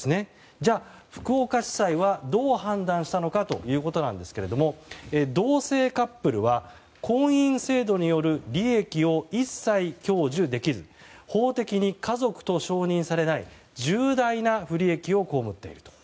じゃあ、福岡地裁はどう判断したのかということなんですが同性カップルは婚姻制度による利益を一切享受できず法的に家族と承認されない重大な不利益を被っていると。